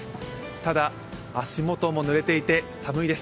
ただ、足元もぬれていて寒いです。